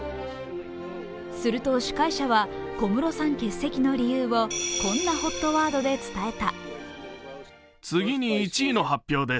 すると、司会者は、小室さん欠席の理由をこんなＨＯＴワードで伝えた。